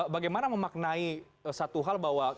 bagaimana memaknai satu hal bahwa